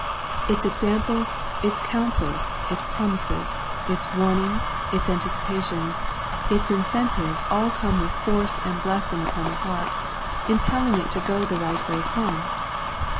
Its examples, its counsels, its promises, its warnings, it anticipations, its incentives all come with force and blessing upon the heart, impelling it to go the right way home.